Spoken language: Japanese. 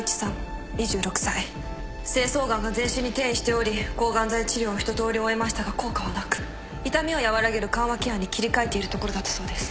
精巣がんが全身に転移しており抗がん剤治療を一通り終えましたが効果はなく痛みを和らげる緩和ケアに切り替えているところだったそうです。